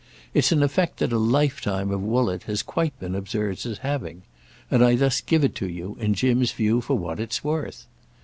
It's an effect that a lifetime of Woollett has quite been observed as having; and I thus give it to you, in Jim's view, for what it's worth.